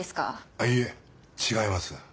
あっいえ違います。